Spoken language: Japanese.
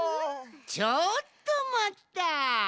ちょっとまった！